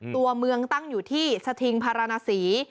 ตัวเมืองตั้งอยู่ที่สถิงพารณสี